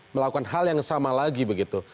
melakukan hal yang sama lagi begitu